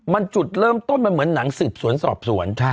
๑มันจุดในกลางต้นเป็นหนังศึกสวนสอบสวน